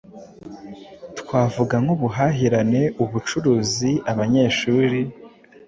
twavuga nk’ ubuhahirane, ubucuruzi, abanyeshuri